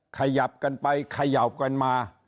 ขยับกันไปขยับกันมา